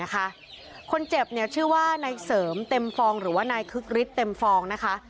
คนเจ็บชื่อว่านายเสริมเต็มฟองหรือว่านายคึกฤทธิเต็มฟองนะคะ